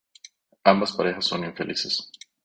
Ambas parejas son infelices.